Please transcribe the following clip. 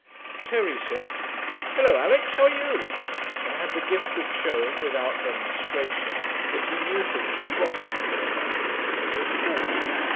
Terry said, 'Hullo, Alix, how are you?' and had the gift of showing, without demonstration, that he knew things were rotten for her, because of Paul.